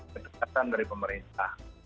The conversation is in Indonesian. ketekatan dari pemerintah